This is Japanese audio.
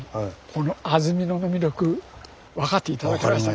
この安曇野の魅力分かって頂けました？